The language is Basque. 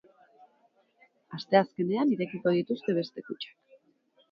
Asteazkenean irekiko dituzte beste kutxak.